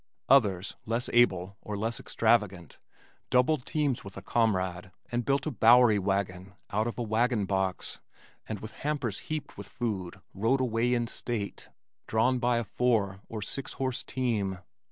Others, less able or less extravagant, doubled teams with a comrade and built a "bowery wagon" out of a wagon box, and with hampers heaped with food rode away in state, drawn by a four or six horse team.